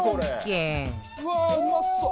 うわーうまそう！